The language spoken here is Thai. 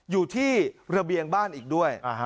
อยู่ที่ระเบียงบ้านอีกด้วย